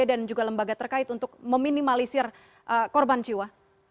juga lembaga terkait untuk meminimalisir korban jiwa